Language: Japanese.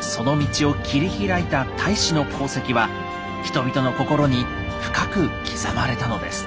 その道を切り開いた太子の功績は人々の心に深く刻まれたのです。